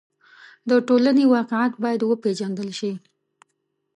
د ټولنې واقعیت باید وپېژندل شي.